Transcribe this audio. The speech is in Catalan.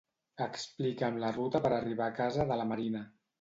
Explica'm la ruta per arribar a casa de la Marina.